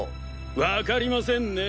わかりませんね。